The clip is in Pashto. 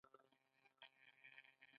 جانداد د ښکلي احساس څښتن دی.